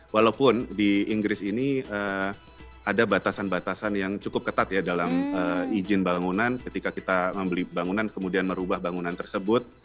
walaupun di inggris ini ada batasan batasan yang cukup ketat ya dalam izin bangunan ketika kita membeli bangunan kemudian merubah bangunan tersebut